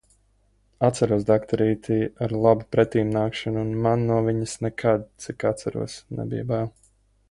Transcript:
Atceros dakterīti ar labu pretimnākšanu un man no viņas nekad, cik atceros, nebija bail.